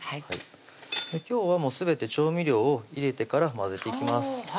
今日はすべて調味料を入れてから混ぜていきます